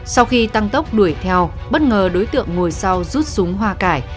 sau khi tăng tốc đuổi theo bất ngờ đối tượng ngồi sau rút súng hoa cải